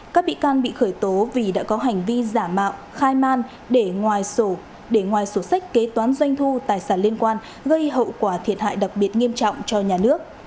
các bị can bị khởi tố vì đã có hành vi giả mạo khai man để ngoài sổ sách kế toán doanh thu tài sản liên quan gây hậu quả thiệt hại đặc biệt nghiêm trọng cho nhà nước